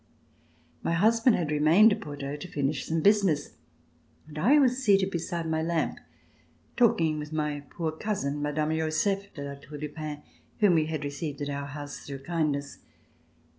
My husband had remained at Bordeaux to finish some business, and I was seated beside my lamp, talking with my poor cousin, Mme. Joseph de La Tour du Pin, whom we had received at our house through kindness.